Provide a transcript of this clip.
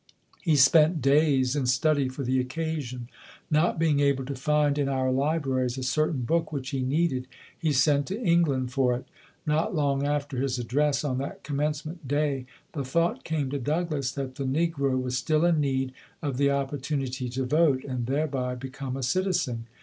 He spent days in study for the occasion. Not be ing able to find in our libraries a certain book which he needed, he sent to England for it. Not long after his address on that Commencement Day, the thought came to Douglass that the Ne gro was still in need of the opportunity to vote, and thereby become a citizen.